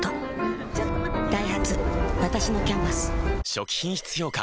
初期品質評価